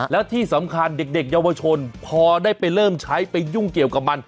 แล้วที่สำคัญเด็กเยาวชนพอได้ไปเริ่มใช้ไปยุ่งเกี่ยวกับมัน